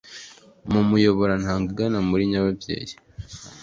mu muyoborantanga igana muri nyababyeyi